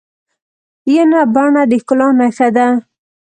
ینه بڼه د ښکلا نخښه ده.